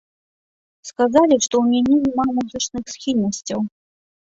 Сказалі, што ў мяне няма музычных схільнасцяў.